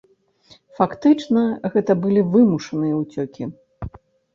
Фактычна гэта былі вымушаныя ўцёкі.